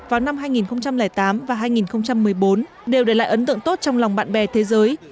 vào năm hai nghìn tám và hai nghìn một mươi bốn đều để lại ấn tượng tốt trong lòng bạn bè thế giới